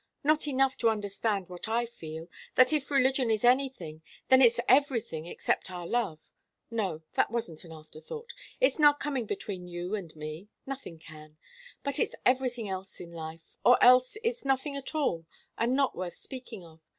"Not enough to understand what I feel that if religion is anything, then it's everything except our love. No that wasn't an afterthought. It's not coming between you and me. Nothing can. But it's everything else in life, or else it's nothing at all and not worth speaking of.